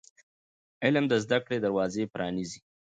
علم د زده کړې دروازې پرانیزي.